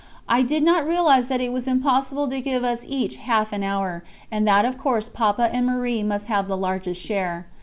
I did not realise that it was impossible to give us each half an hour, and that of course Papa and Marie must have the largest share.